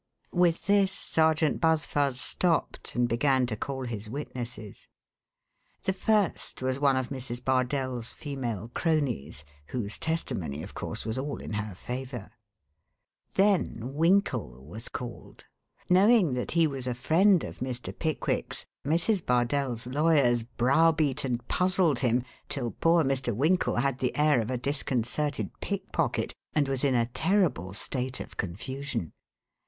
With this Sergeant Buzfuz stopped, and began to call his witnesses. The first was one of Mrs. Bardell's female cronies, whose testimony of course, was all in her favor. Then Winkle was called. Knowing that he was a friend of Mr. Pickwick's, Mrs. Bardell's lawyers browbeat and puzzled him till poor Mr. Winkle had the air of a disconcerted pickpocket, and was in a terrible state of confusion.